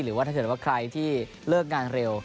หรือว่าถ้าเกิดว่าใครที่เลิกงานเร็ว